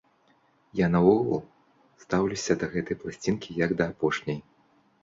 Я наогул стаўлюся да гэтай пласцінкі, як да апошняй.